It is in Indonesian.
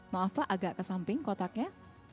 maaf pak agak kesamping kotaknya